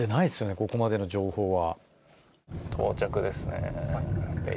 ここまでの情報は。